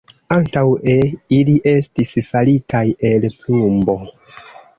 Antaŭe ili estis faritaj el plumbo.